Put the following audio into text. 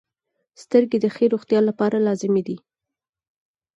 • سترګې د ښې روغتیا لپاره لازمي دي.